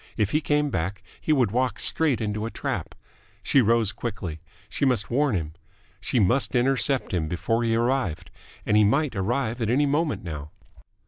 If he came back, he would walk straight into a trap. She rose quickly. She must warn him. She must intercept him before he arrived and he might arrive at any moment now.